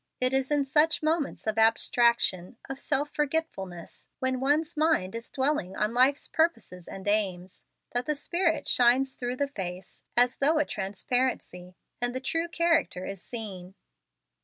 It is in such moments of abstraction of self forgetfulness, when one's mind is dwelling on life's purposes and aims that the spirit shines through the face, as through a transparency, and the true character is seen.